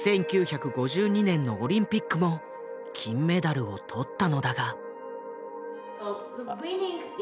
１９５２年のオリンピックも金メダルを取ったのだが。